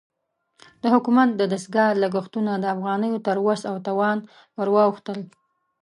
د حکومت د دستګاه لګښتونه د افغانیو تر وس او توان ورواوښتل.